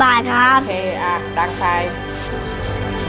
อ่าอี่ทั้งใคร